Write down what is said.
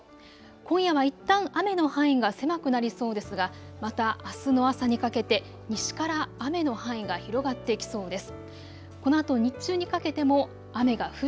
今夜はいったん雨の範囲が狭くなりそうですが、またあすの朝にかけて西から雨の範囲が広がってきそうです。